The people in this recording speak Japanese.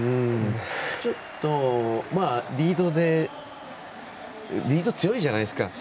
ちょっと、まあリードでリード強いじゃないですか。